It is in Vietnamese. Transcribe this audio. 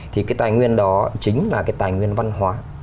thì cái tài nguyên đó chính là cái tài nguyên văn hóa